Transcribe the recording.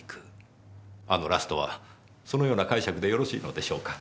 あのラストはそのような解釈でよろしいのでしょうか？